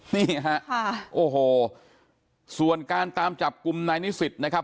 นี่ฮะค่ะโอ้โหส่วนการตามจับกลุ่มนายนิสิตนะครับ